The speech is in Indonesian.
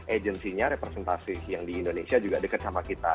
agensinya representasi yang di indonesia juga deket sama kita